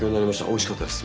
おいしかったです。